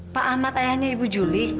pak ahmad ayahnya ibu juli